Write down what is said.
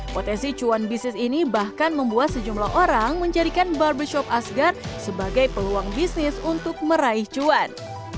potensi cuan bisnis ini bahkan membuat sejumlah orang menjadikan barbershop asgar sebagai peluang bisnis untuk meraih cuan